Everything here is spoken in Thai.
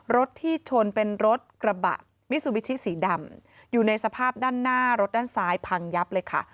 รถที่ชนเป็นรถกระบะมิซูบิชิสีดำอยู่ในสภาพด้านหน้ารถด้านซ้ายพังยับเลยค่ะ